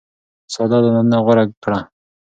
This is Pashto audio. ساده عادتونه غوره کړه.